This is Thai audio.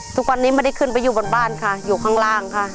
ทุกวันนี้ไม่ได้ขึ้นไปอยู่บนบ้านค่ะอยู่ข้างล่างค่ะ